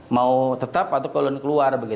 mau tetap atau keluar